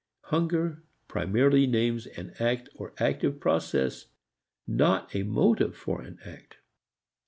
Hunger primarily names an act or active process not a motive to an act.